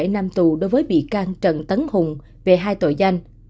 hai mươi bảy nam tù đối với bị can trần tấn hùng về hai tội danh